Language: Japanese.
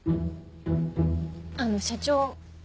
あの社長